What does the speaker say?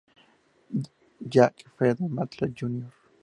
Jack F. Matlock Jr.